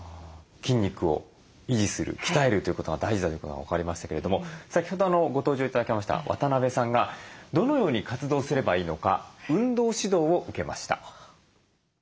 筋肉を維持する鍛えるということが大事だということが分かりましたけれども先ほどご登場頂きました渡邊さんがどのように活動すればいいのか運動指導を受けました。